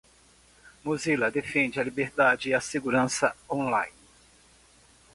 Mozilla defende a liberdade e a segurança online.